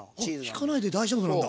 ひかないで大丈夫なんだ。